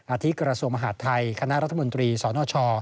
อาทิกรสวมหาดไทยคณะรัฐมนตรีสรณชอ